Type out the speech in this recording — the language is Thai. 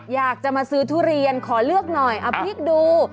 อยากจะมาซื้อทุเรียนขอเลือกหน่อยเอาพริกดู